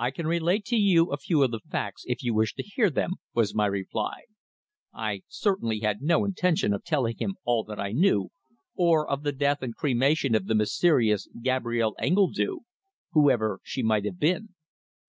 "I can relate to you a few of the facts if you wish to hear them," was my reply. I certainly had no intention of telling him all that I knew, or of the death and cremation of the mysterious Gabrielle Engledue whoever she might have been.